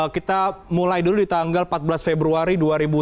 kita mulai dulu di tanggal empat belas februari dua ribu dua puluh